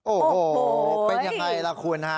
โอ้โหเป็นยังไงล่ะคุณฮะ